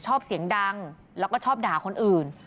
ชอบเสียงดังแล้วก็ชอบด่าคนอื่น